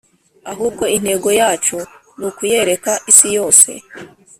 ahubwo intego yacu ni ukuyereka isiyose